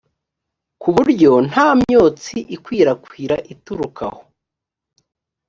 kuburyo ntamyotsi ikwirakwira ituruka aho